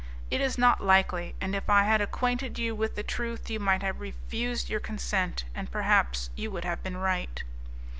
It is not likely, and if I had acquainted you with the truth, you might have refused your consent, and perhaps you would have been right.